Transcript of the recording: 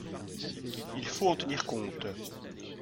Il faut en tenir compte.